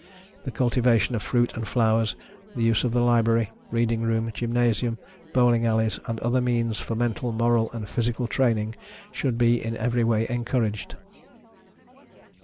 The cultivation of fruits and flowers, the use of the library, reading room, gymnasium, bowling alleys, and other means for mental, moral and physical training, should be in every way encouraged.